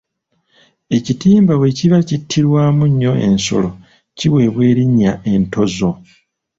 Ekitimba bwe kiba kittirwamu nnyo ensolo kiweebwa erinnya Entoozo.